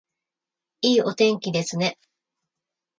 いいお天気ですね